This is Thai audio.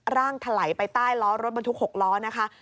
ถลายไปใต้ล้อรถบรรทุก๖ล้อนะคะ